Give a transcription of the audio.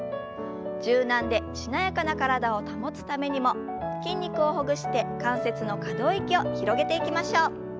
柔軟でしなやかな体を保つためにも筋肉をほぐして関節の可動域を広げていきましょう。